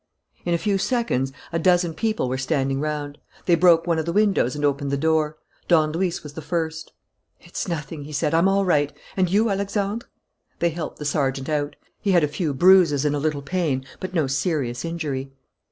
In a few seconds a dozen people were standing round. They broke one of the windows and opened the door. Don Luis was the first. "It's nothing," he said. "I'm all right. And you, Alexandre?" They helped the sergeant out. He had a few bruises and a little pain, but no serious injury.